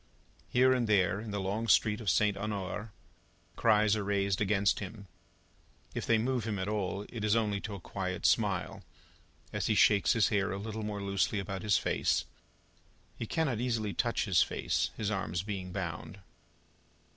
Here and there in the long street of St. Honore, cries are raised against him. If they move him at all, it is only to a quiet smile, as he shakes his hair a little more loosely about his face. He cannot easily touch his face, his arms being bound.